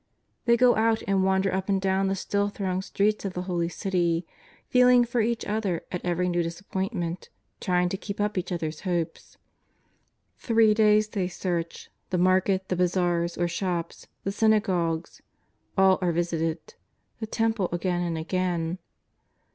They go out and wander up and do^vn the still thronged streets of the Holy City, feeling for each other at every new dis appointment, trying to keep up each other's hope. Three days they search; the market, the bazaars or shops, the synagogues — all are visited, the Temple again and again.